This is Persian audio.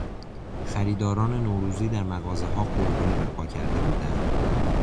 خریداران نوروزی در مغازهها غلغله به پا کرده بودند.